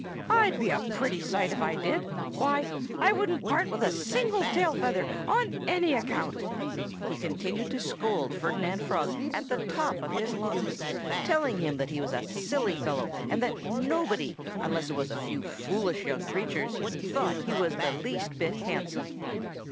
"I'd be a pretty sight, if I did. Why, I wouldn't part with a single tail feather, on any account." He continued to scold Ferdinand Frog at the top of his lungs, telling him that he was a silly fellow, and that nobody unless it was a few foolish young creatures thought he was the least bit handsome.